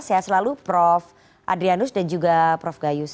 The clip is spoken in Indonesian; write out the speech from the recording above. sehat selalu prof adrianus dan juga prof gayus